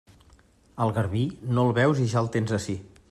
Al garbí, no el veus i ja el tens ací.